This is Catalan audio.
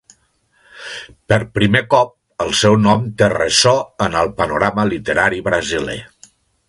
Per primer cop el seu nom té ressò en el panorama literari brasiler.